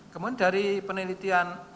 kemudian dari penelitian